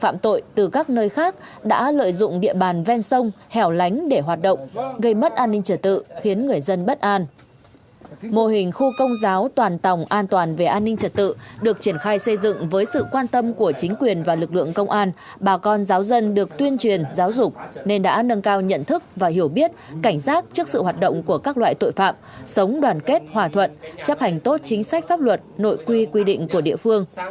mô hình khu công giáo toàn tòng an toàn về an ninh trật tự được triển khai xây dựng với sự quan tâm của chính quyền và lực lượng công an bà con giáo dân được tuyên truyền giáo dục nên đã nâng cao nhận thức và hiểu biết cảnh giác trước sự hoạt động của các loại tội phạm sống đoàn kết hòa thuận chấp hành tốt chính sách pháp luật nội quy quy định của địa phương